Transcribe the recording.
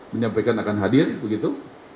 menyampaikan akan hadir begitu